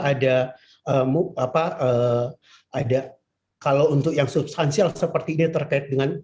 ada kalau untuk yang substansial seperti ini terkait dengan